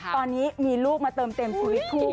ตอนนี้มีลูกมาเติมเต็มสุดทุก